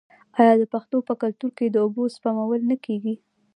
آیا د پښتنو په کلتور کې د اوبو سپمول نه کیږي؟